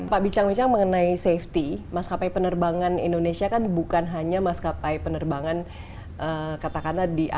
pak bicang bicang mengenai safety maskapai penerbangan indonesia kan bukan hanya maskapai penerbangan katakanlah di asia yang masuk dalam daftar tidak memenuhi standar keselamatan internasional pak